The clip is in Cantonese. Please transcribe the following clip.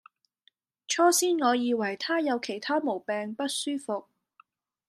初先我以為她有其他毛病不舒服